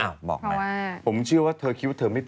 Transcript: เหรอบอกไม่มีคำตอบว่า